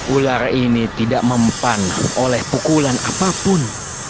ular ini tidak mempanen oleh pukulan apapun